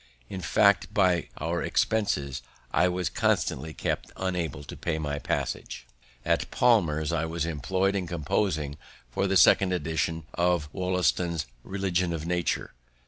In fact, by our expenses, I was constantly kept unable to pay my passage. At Palmer's I was employed in composing for the second edition of Wollaston's "Religion of Nature."